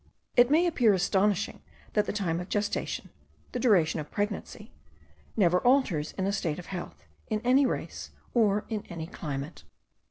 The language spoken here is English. It may appear astonishing, that the time of gestation the duration of pregnancy, never alters in a state of health, in any race, or in any climate.